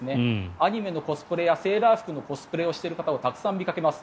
アニメのコスプレやセーラー服のコスプレをしている人をたくさん見かけます。